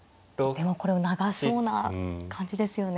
でもこれは長そうな感じですよね。